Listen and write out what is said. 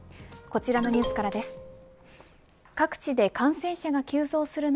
こちらのニュースからです。